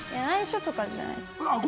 内緒とかじゃない。